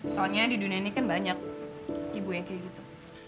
soalnya di dunia ini kan banyak ibu yang kayak gitu